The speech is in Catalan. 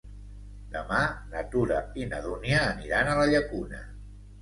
Demà na Tura i na Dúnia aniran a la Llacuna.